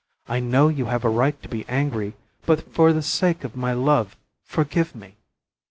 I know you have a right to be angry, but for the sake of my love, forgive me."